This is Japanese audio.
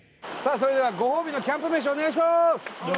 それではご褒美のキャンプ飯お願いします